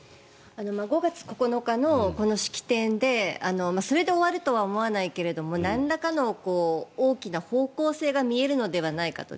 ５月９日の式典でそれで終わるとは思わないけれどなんらかの大きな方向性が見えるのではないかと。